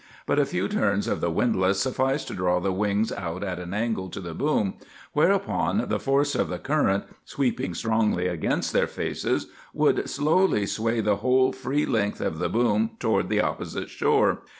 But a few turns of the windlass sufficed to draw the wings out at an angle to the boom; whereupon the force of the current, sweeping strongly against their faces, would slowly sway the whole free length of the boom toward the opposite shore.